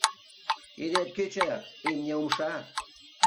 — Кидет кӱчык, имне умша!